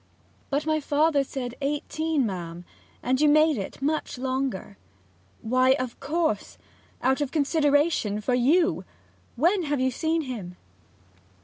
'But my father said eighteen, ma'am, and you made it much longer ' 'Why, of course out of consideration for you! When have ye seen him?'